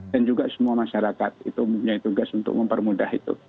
dan juga semua masyarakat itu punya tugas untuk mempermudah itu